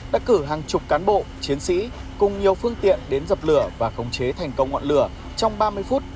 đã cử hàng chục cán bộ chiến sĩ cùng nhiều phương tiện đến dập lửa và khống chế thành công ngọn lửa trong ba mươi phút